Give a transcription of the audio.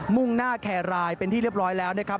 มุ่งหน้าแครรายเป็นที่เรียบร้อยแล้วนะครับ